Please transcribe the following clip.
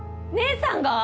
姐さんが？